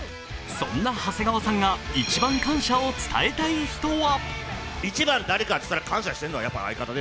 そんな長谷川さんが一番感謝を伝えたい人は？